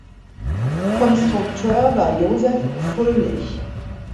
Konstrukteur war Josef Fröhlich.